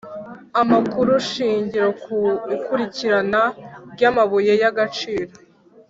Amakurushingiro ku ikurikirana ryamabuye yagaciro